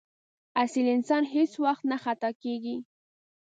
اصیل انسان هېڅ وخت نه خطا کېږي.